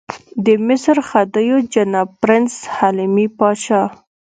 د مصر خدیو جناب پرنس حلمي پاشا.